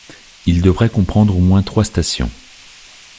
Il devrait comprendre au moins trois stations.